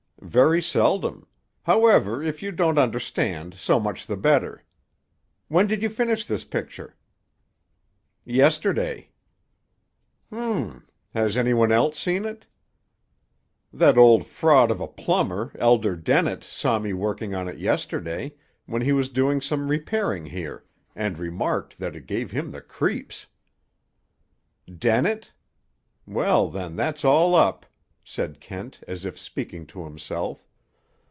"Very seldom. However, if you don't understand so much the better. When did you finish this picture?" "Yesterday." "H m! Has any one else seen it?" "That old fraud of a plumber, Elder Dennett, saw me working on it yesterday, when he was doing some repairing here, and remarked that it gave him the creeps." "Dennett? Well, then that's all up," said Kent, as if speaking to himself.